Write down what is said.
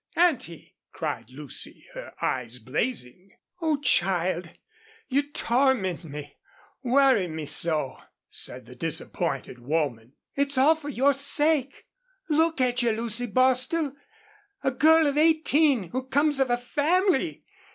"Auntie!" cried Lucy, her eyes blazing. "Oh, child, you torment me worry me so," said the disappointed woman. "It's all for your sake.... Look at you, Lucy Bostil! A girl of eighteen who comes of a family!